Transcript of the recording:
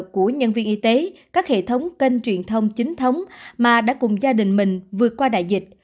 của nhân viên y tế các hệ thống kênh truyền thông chính thống mà đã cùng gia đình mình vượt qua đại dịch